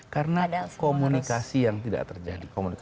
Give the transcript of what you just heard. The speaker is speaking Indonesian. karena komunikasi yang tidak terjadi